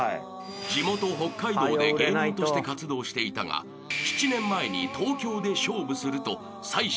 ［地元北海道で芸人として活動していたが７年前に東京で勝負すると妻子を残し単身上京］